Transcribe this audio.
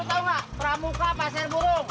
eh lo tau gak pramuka pasir burung